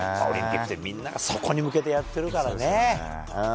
オリンピックってみんながそこに向けてやっているからね。